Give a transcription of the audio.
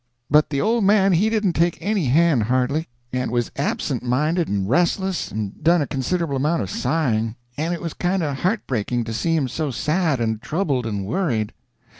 But the old man he didn't take any hand hardly, and was absent minded and restless, and done a considerable amount of sighing; and it was kind of heart breaking to see him so sad and troubled and worried.